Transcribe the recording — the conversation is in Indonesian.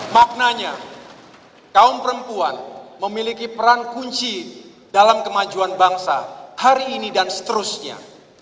maknanya kaum perempuan memiliki peran kunci dalam kemajuan bangsa hari ini dan seterusnya